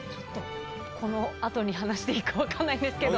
この後に話していいか分かんないんですけど。